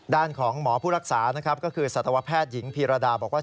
ด้านของหมอผู้รักษานะครับก็คือสัตวแพทย์หญิงพีรดาบอกว่า